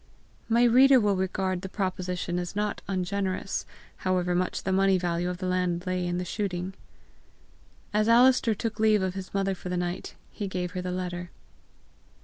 My reader will regard the proposition as not ungenerous, however much the money value of the land lay in the shooting. As Alister took leave of his mother for the night, he gave her the letter.